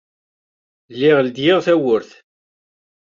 Lliɣ leddyeɣ tawwurt.